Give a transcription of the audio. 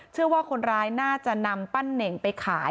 เชื่อว่าคนร้ายน่าจะนำปั้นเน่งไปขาย